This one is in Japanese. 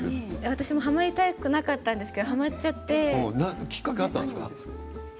私もはまりたくなかったんですけどきっかけがあったんですか。